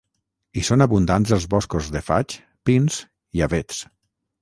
Hi són abundants els boscos de faigs, pins i avets.